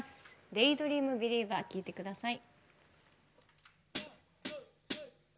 「デイ・ドリーム・ビリーバー」聴いてください。